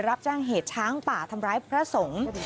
รับแจ้งเหตุช้างป่าทำร้ายพระสงฆ์